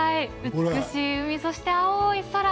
美しい海、そして青い空。